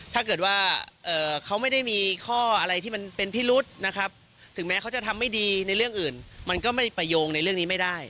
ถ้าเกิดว่าเขาไม่ได้มีข้ออะไรที่มันเป็นพิรุษนะครับถึงแม้เขาจะทำไม่ดีในเรื่องอื่นมันก็ไม่ประโยงในเรื่องนี้ไม่ได้